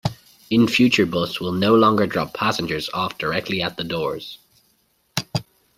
In future bus will no longer drop passengers off directly at the doors.